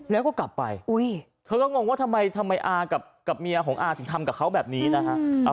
แล้วก็กลับไปเธอก็งงว่าทำไมอากับเมียของอาถึงทำกับเขาแบบนี้นะฮะ